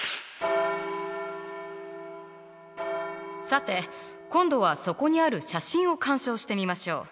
さて今度はそこにある写真を鑑賞してみましょう。